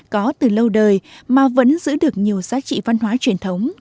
có từ lâu đời mà vẫn giữ được nhiều giá trị văn hóa truyền thống